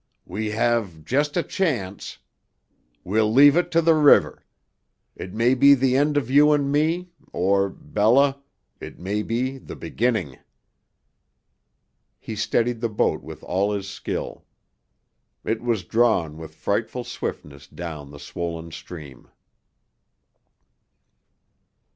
"We have just a chance. We'll leave it to the river. It may be the end of you and me or, Bella, it may be the beginning." He steadied the boat with all his skill. It was drawn with frightful swiftness down the swollen stream.